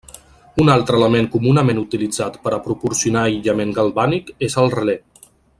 Un altre element comunament utilitzat per a proporcionar aïllament galvànic és el relé.